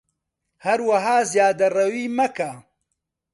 هەروەها زیادەڕەویی مەکە